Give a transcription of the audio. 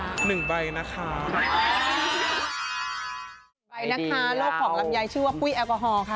โรคของลำไยชื่อว่ากุ้ยแอปโวฮอล์ค่ะ